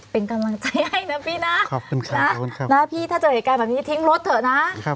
เป็นกำลังใจให้นะพี่นะพี่ถ้าเจอเหตุการณ์แบบนี้ทิ้งรถเถอะนะ